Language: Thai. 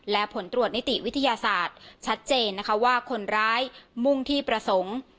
และผลตรวจนิติวิทยาศาสตร์ชัดเจนนะคะว่าคนร้ายมุ่งที่ประสงค์